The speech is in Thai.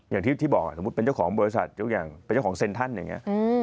อย่างที่บอกสมมุติเป็นเจ้าของบริษัททุกอย่างเป็นเจ้าของเซ็นทันอย่างนี้